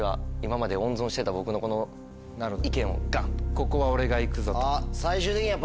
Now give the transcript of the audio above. ここは俺がいくぞと。